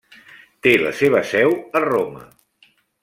Té la seva seu a Roma.